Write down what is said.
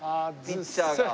ピッチャーが。